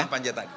dalam panja tadi